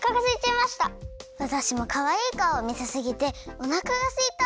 わたしもかわいいかおをみせすぎておなかがすいた！